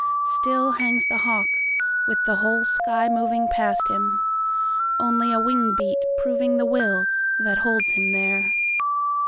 Still hangs the hawk, with the whole sky movingPast him—only a wing beat provingThe will that holds him there.